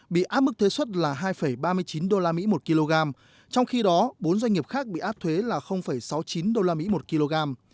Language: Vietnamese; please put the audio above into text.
bị áp mức thuế xuất là hai ba mươi chín usd một kg trong khi đó bốn doanh nghiệp khác bị áp thuế là sáu mươi chín usd một kg